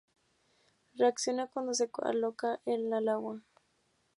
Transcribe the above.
Reacciona cuando se coloca en el agua.